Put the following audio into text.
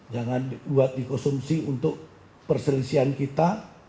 jangan dibuat dikonsumsi untuk perselisihan kita